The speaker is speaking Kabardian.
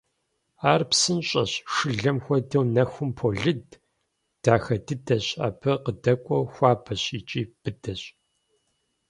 Ар псынщӀэщ, шылэм хуэдэу нэхум полыд, дахэ дыдэщ, абы къыдэкӀуэу хуабэщ икӀи быдэщ.